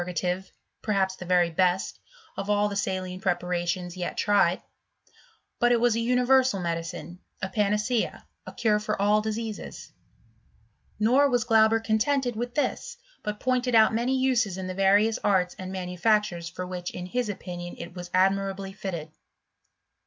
gative, perhaps th6 very best, of all the saline prepar ations yet tried ; but it was a universal medicine, a panacea, a cure for all diseases: nor was Glauber* contented with this, but pointed out many uses in the various arts and manufactures for which in his opinion it was admirably fitted.